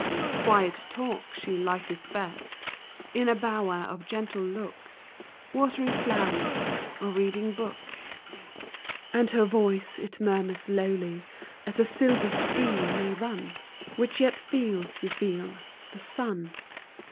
Quiet talk she liketh best, In a bower of gentle looks, Watering flowers, or reading books. A PORTRAIT. 29 And her voice, it murmurs lowly, As a silver stream may run, Which yet feels, you feel, the sun.